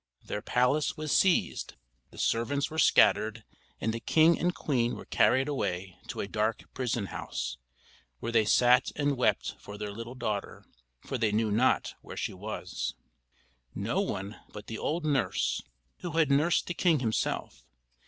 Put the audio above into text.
Their palace was seized, the servants were scattered, and the king and queen were carried away to a dark prison house, where they sat and wept for their little daughter, for they knew not where she was. No one knew but the old nurse, who had nursed the king himself.